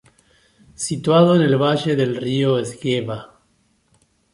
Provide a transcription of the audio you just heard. Situado en el valle del río Esgueva.